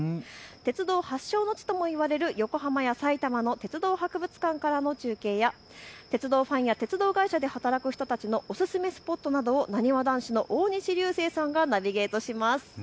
鉄道発祥の地とも言われる横浜や埼玉の鉄道博物館からの中継や鉄道ファンや鉄道会社で働く人たちのおすすめスポットなどをなにわ男子の大西流星さんがナビゲートします。